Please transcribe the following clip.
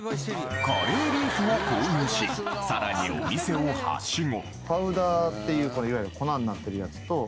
カレーリーフを購入しさらにお店をはしご